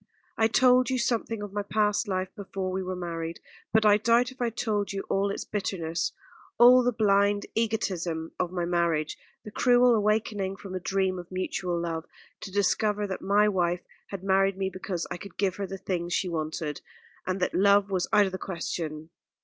I told you something of my past life before we were married; but I doubt if I told you all its bitterness all the blind egotism of my marriage, the cruel awakening from a dream of mutual love to discover that my wife had married me because I could give her the things she wanted, and that love was out of the question.